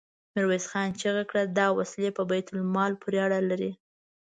ميرويس خان چيغه کړه! دا وسلې په بيت المال پورې اړه لري.